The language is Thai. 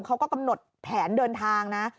เขาก็กำหนดแผนเดินทางนะ